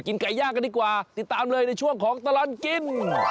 ไก่ย่างกันดีกว่าติดตามเลยในช่วงของตลอดกิน